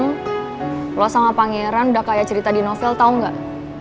ngomong ngomong lo sama pangeran udah kayak cerita di novel tau gak